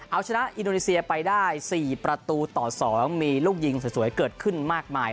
เอาชนะอินโดนีเซียไปได้๔ประตูต่อ๒มีลูกยิงสวยเกิดขึ้นมากมาย